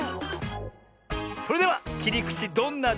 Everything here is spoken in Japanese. それではきりくちどんなでしょ。